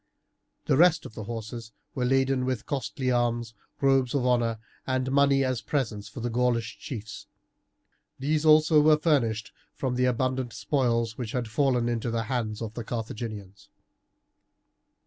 The rest of the horses were laden with costly arms, robes of honour, and money as presents for the Gaulish chiefs. These also were furnished from the abundant spoils which had fallen into the hands of the Carthaginians.